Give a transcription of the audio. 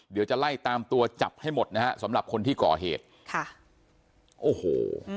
เดี๋ยวจะไล่ตามตัวจับให้หมดนะฮะสำหรับคนที่ก่อเหตุค่ะโอ้โห